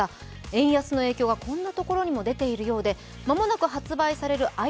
円安の影響がこんなところにも出ているようで、間もなく発売されるｉＰａｄ